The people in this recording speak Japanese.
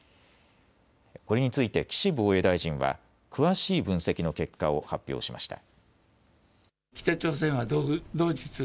これについて岸防衛大臣は詳しい分析の結果を発表しました。